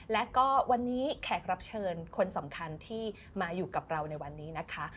และก็วันนี้แขกรับเชิญคนสำคัญที่มาอยู่กับเราในวันนี้นะคะ